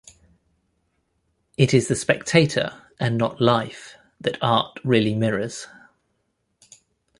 It is the spectator, and not life, that art really mirrors.